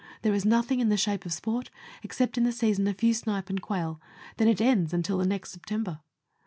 There is nothing in the shape of sport except in the season a few snipe and quail ; then it ends until the next September.